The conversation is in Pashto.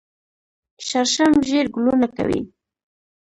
شړشم ژیړ ګلونه کوي